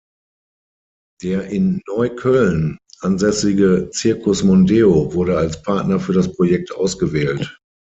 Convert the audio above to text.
Der in Neukölln ansässige "Circus Mondeo" wurde als Partner für das Projekt ausgewählt.